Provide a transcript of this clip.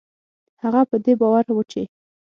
هغه په دې باور و چې